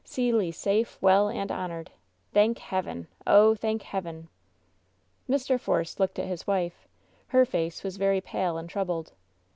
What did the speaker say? See Le safe, well and honored! Thank Heaven! Oh, thank Heaven!" Mr. Force looked at his wife. Her face was very pale and troubled.